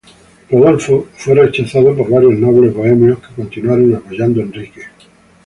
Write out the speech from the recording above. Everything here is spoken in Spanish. Rodolfo fue rechazado por varios nobles bohemios, que continuaron apoyando a Enrique.